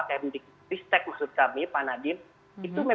katakan kami pemixi altri